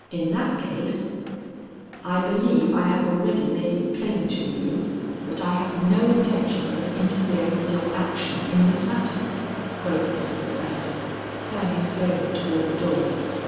In that case " "I believe I have already made it plain to you that I have no intentions of interfering with your action in this matter," quoth Mr. Sylvester, turning slowly toward the door.